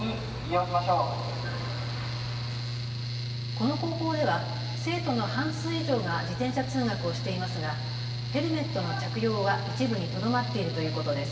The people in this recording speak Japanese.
この高校では生徒の半数以上が自転車通学をしていますがヘルメットの着用は一部にとどまっているということです。